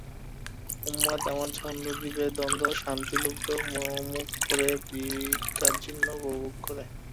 উন্মাদ আমার ছন্দ দিবে ধন্দ শান্তিলুব্ধ মুমুক্ষুরে, ভিক্ষাজীর্ণ বুভুক্ষুরে।